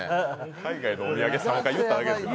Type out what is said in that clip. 海外のお土産、３回言っただけやん。